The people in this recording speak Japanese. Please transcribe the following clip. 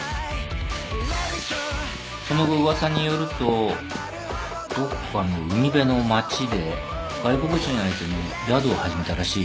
その後噂によるとどっかの海辺の町で外国人相手に宿を始めたらしいよ。